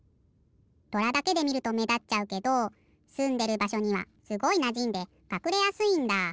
とらだけでみるとめだっちゃうけどすんでるばしょにはすごいなじんでかくれやすいんだ。